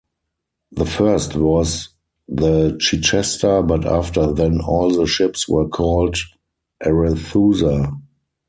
The first was the Chichester, but after then all the ships were called Arethusa.